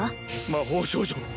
魔法少女！